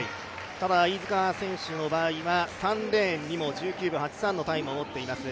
ただ、飯塚選手の場合は３レーンにも１９秒８３のタイムを持っています